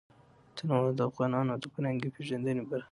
تنوع د افغانانو د فرهنګي پیژندنې برخه ده.